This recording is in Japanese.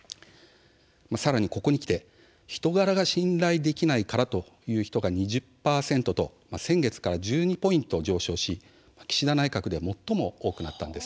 さらに、ここにきて人柄が信頼できないからは２０％と、先月から１２ポイントも上昇しまして岸田内閣で最も多くなったんです。